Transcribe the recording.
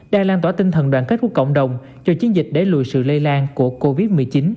đang lan tỏa tinh thần đoàn kết của cộng đồng cho chiến dịch để lùi sự lây lan của covid một mươi chín